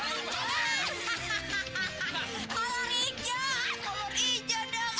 anggur gini buah